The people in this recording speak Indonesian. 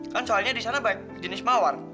kan soalnya disana banyak jenis mawar